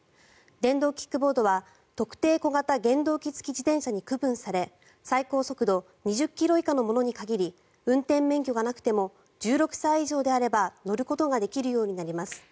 電動キックボードは特定小型原動機付自転車に区分され最高速度２０ｋｍ以下のものに限り運転免許がなくても１６歳以上であれば乗ることができるようになります。